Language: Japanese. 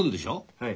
はい。